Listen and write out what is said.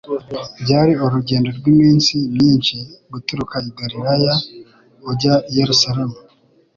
Byari urugendo rw'iminsi myinshi guturuka i Galilaya ujya i Yerusalemu,